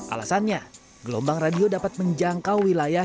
alasannya gelombang radio dapat menjangkau wilayah